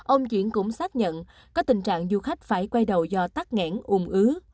ông chuyển cũng xác nhận có tình trạng du khách phải quay đầu do tắc nghẽn ùm ứ